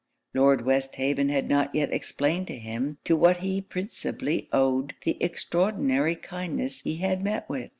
Lord Westhaven had not yet explained to him to what he principally owed the extraordinary kindness he had met with.